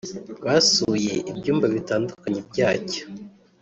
Basuye ibyumba bitandukanye byacyo